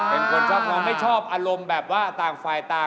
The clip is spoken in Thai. เป็นคนชอบมองไม่ชอบอารมณ์แบบว่าต่างฝ่ายต่าง